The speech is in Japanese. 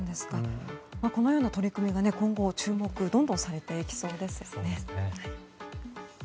このような取り組みが今後注目がどんどんされていきそうですね。